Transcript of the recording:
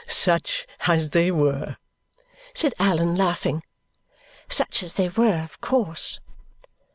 "'Such as they were'?" said Allan, laughing. "Such as they were, of course."